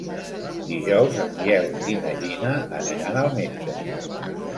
Dijous en Biel i na Gina aniran al metge.